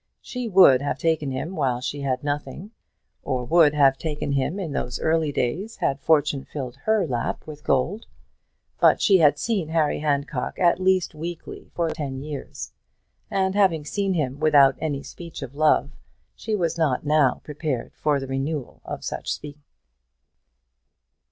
She would have taken him while she had nothing, or would have taken him in those early days had fortune filled her lap with gold. But she had seen Harry Handcock at least weekly for the last ten years, and having seen him without any speech of love, she was not now prepared for the renewal of such speaking.